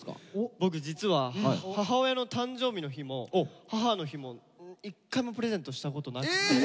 僕実は母親の誕生日の日も母の日も１回もプレゼントしたことなくて。